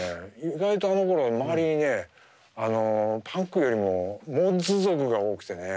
意外とあのころは周りにねパンクよりもモッズ族が多くてね。